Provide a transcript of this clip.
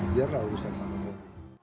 biarlah urusan pak kapolri